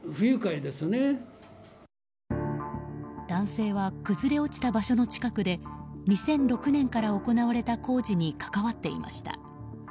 男性は崩れ落ちた場所の近くで２００６年から行われた工事に関わっていました。